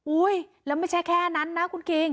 แล้วไม่ใช่แค่นั้นนะคุณคิง